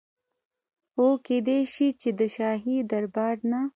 او کيدی شي چي د شاهي دربار نه